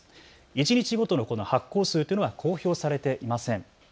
一日ごとの発行数は公表されていません。